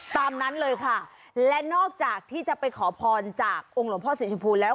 ตามนั้นเลยค่ะและนอกจากที่จะไปขอพรจากองค์หลวงพ่อสีชมพูแล้ว